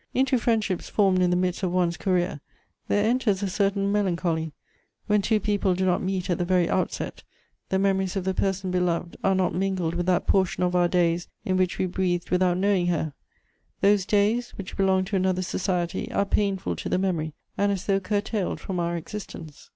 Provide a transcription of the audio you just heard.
Into friendships formed in the midst of one's career, there enters a certain melancholy; when two people do not meet at the very outset, the memories of the person beloved are not mingled with that portion of our days in which we breathed without knowing her: those days, which belong to another society, are painful to the memory, and as though curtailed from our existence.